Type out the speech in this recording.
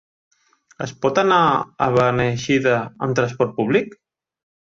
Es pot anar a Beneixida amb transport públic?